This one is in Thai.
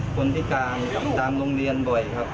คนที่ตามโรงเรียนบ่อยครับ